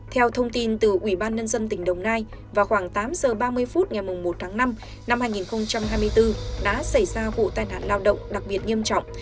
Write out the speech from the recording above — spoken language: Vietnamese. theo thông tin từ ubnd tỉnh đồng nai vào khoảng tám h ba mươi phút ngày một tháng năm năm hai nghìn hai mươi bốn đã xảy ra vụ tai nạn lao động đặc biệt nghiêm trọng